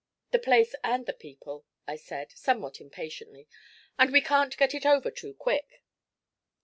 'The place and the people,' I said, somewhat impatiently; 'and we can't get it over too quick.'